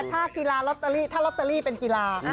ถ้ากีฬาลอตเตอรี่ถ้าลอตเตอรี่เป็นกีฬา